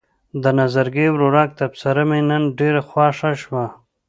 د نظرګي ورورک تبصره مې نن ډېره خوښه شوه.